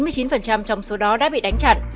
chín mươi chín trong số đó đã bị đánh chặn